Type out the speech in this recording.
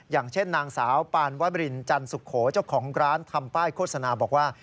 อย่างเช่นนางสาวปานวบรินจันสุโขเจ้าของร้านทำป้ายโฆษณาบอกว่า